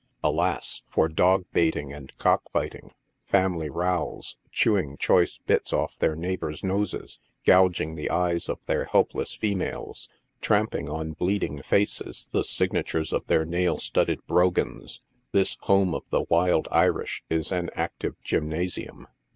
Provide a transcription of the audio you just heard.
Alas ! for dog bating and cock fighting, family rows, chewing choice bits off their neighbors' noses, gouging the eyes of their helpless females, tramping on bleeding faces the signatures of their nail studded brogans, this home of the wild Irish is an active gymna sium.